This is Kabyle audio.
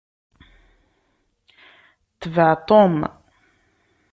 Tbeɛ Tom!